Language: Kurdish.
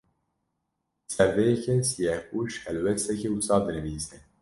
Li ser vê yekê, Siyehpûş helbesteke wisa dinivîse